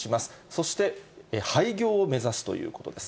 そして廃業を目指すということです。